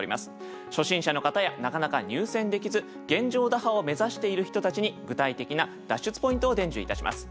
初心者の方やなかなか入選できず現状打破を目指している人たちに具体的な脱出ポイントを伝授いたします。